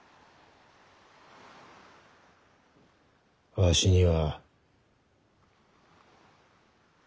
わしには。